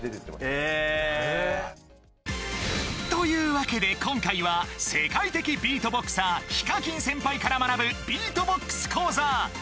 ・というわけで今回は世界的ビートボクサーＨＩＫＡＫＩＮ先輩から学ぶビートボックス講座！